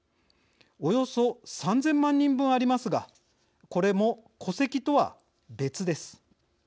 およそ３０００万人分ありますがこれも戸籍とは別です。